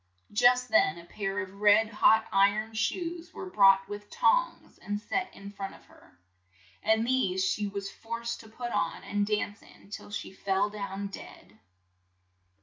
Just then a pair of red hot iron shoes were brought with tongs and set in front of her, and these she was forced to put on and dance in till she fell down dead.